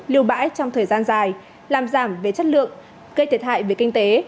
lưu bãi trong thời gian dài làm giảm về chất lượng gây thiệt hại về kinh tế